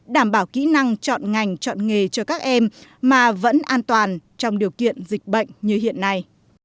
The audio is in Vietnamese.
đảm bảo kỹ năng chọn ngành chọn nghề cho các em mà vẫn an toàn trong điều kiện dịch bệnh như hiện nay